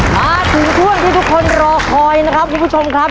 มาถึงช่วงที่ทุกคนรอคอยนะครับคุณผู้ชมครับ